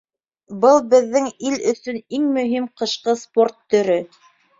Был беҙҙең ил өсөн иң мөһим ҡышҡы спорт төрө.